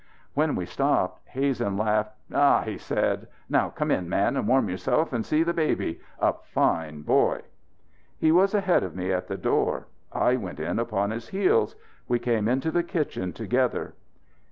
When we stopped Hazen laughed. "Ha!" he said. "Now, come in, man, and warm yourself and see the baby! A fine boy!" He was ahead of me at the door; I went in upon his heels. We came into the kitchen together.